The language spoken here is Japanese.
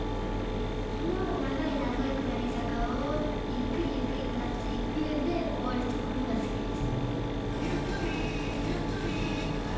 この長い長い下り坂を、ゆっくりゆっくり下っていくで終わるところが好きです。